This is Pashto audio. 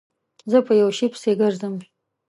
زه په یوه شي پسې گرځم